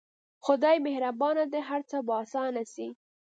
خداى مهربان دى هر څه به اسانه سي.